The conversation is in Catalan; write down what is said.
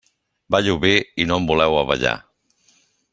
Ballo bé i no em voleu a ballar.